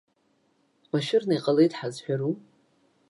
Машәырны иҟалеит ҳазҳәару?!